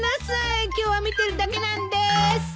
今日は見てるだけなんです。